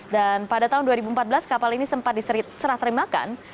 dan pada tahun dua ribu empat belas kapal ini sempat diserah terimakan